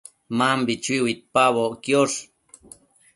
Mambi chui uidpaboc quiosh